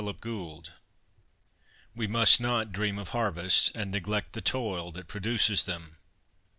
HOE YOUR ROW We must not dream of harvests and neglect the toil that produces them.